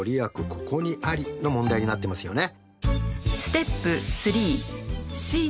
ここにありの問題になっていますよね。